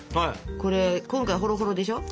これ今回ほろほろでしょ？